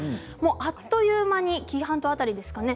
あっという間に紀伊半島辺りでしょうかね